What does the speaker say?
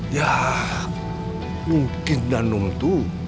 ya mungkin ranum itu